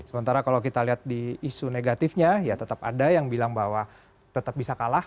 sementara kalau kita lihat di isu negatifnya ya tetap ada yang bilang bahwa tetap bisa kalah